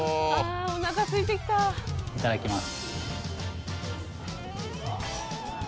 いただきます。